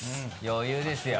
余裕ですよ。